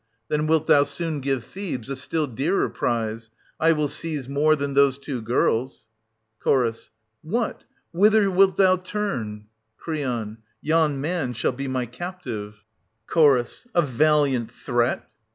Then wilt thou soon give Thebes a still dearer prize :— I will seize more than those two girls. 860 Ch. What — whither wilt thou turn .^ Cr. Yon man shall be my captive. Ch. A valiant a deed.